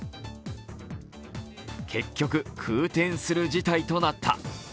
結局、空転する事態となった。